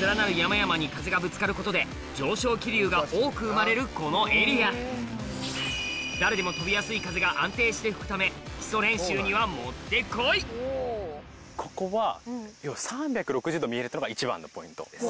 連なる山々に風がぶつかることで上昇気流が多く生まれるこのエリア誰でも飛びやすい風が安定して吹くため基礎練習にはもってこいここは。ってのが一番のポイントです。